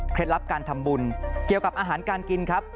ลับการทำบุญเกี่ยวกับอาหารการกินครับ